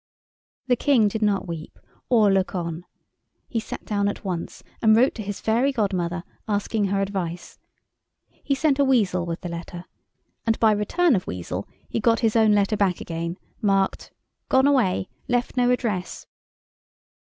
The King did not weep or look on. He sat down at once and wrote to his fairy godmother, asking her advice. He sent a weasel with the letter, and by return of weasel he got his own letter back again, marked "Gone away. Left no address."